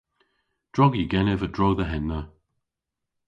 Drog yw genev a-dro dhe henna.